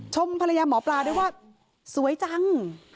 ชมภรรยาหมอปลาด้วยว่าสวยจัง